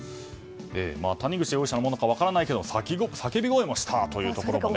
谷口容疑者のものかは分からないけど叫び声もしたということで。